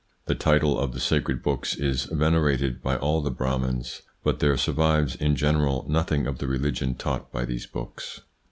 The title of the sacred books is vene rated by all the Brahmans, but there survives in general nothing of the religion taught by these books.